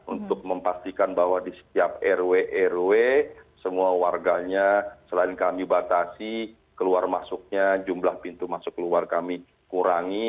untuk memastikan bahwa di setiap rw rw semua warganya selain kami batasi keluar masuknya jumlah pintu masuk keluar kami kurangi